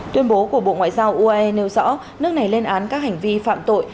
tuyên bố của bộ ngoại giao uae nêu rõ nước này lên án các hành vi phạm tội